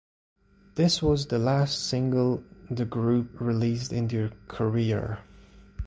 This was the last single the group released in their career.